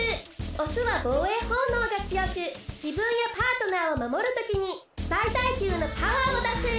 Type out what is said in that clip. オスは防衛本能が強く自分やパートナーを守るときに最大級のパワーを出す。